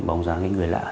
bóng dáng người lạ